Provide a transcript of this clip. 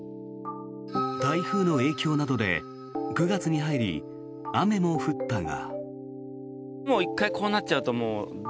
台風の影響などで９月に入り、雨も降ったが。